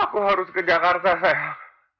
aku harus ke jakarta saya